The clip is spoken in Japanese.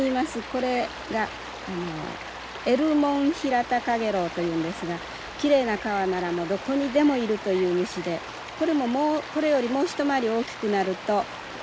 これがエルモンヒラタカゲロウというんですがきれいな川ならもうどこにでもいるという虫でこれもこれよりもう一回り大きくなると成虫になります。